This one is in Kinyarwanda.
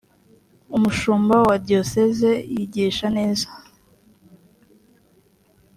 umushumba wa dioseze yigisha neza.